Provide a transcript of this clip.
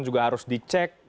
juga harus dicek